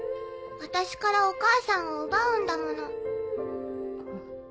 私からお母さんを奪うんだもの。